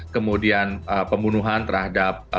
kemudian pembunuhan terhadap